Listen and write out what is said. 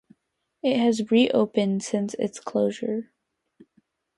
It has re-opened since its closure.